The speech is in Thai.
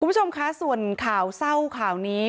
คุณผู้ชมคะส่วนข่าวเศร้าข่าวนี้